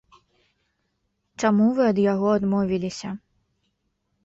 Чаму вы ад яго адмовіліся?